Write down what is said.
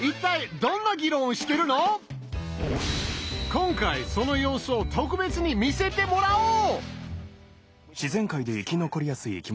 今回その様子を特別に見せてもらおう！